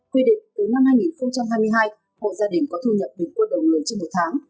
quy định từ năm hai nghìn hai mươi hai hộ gia đình có thu nhập bình quân đầu người trên một tháng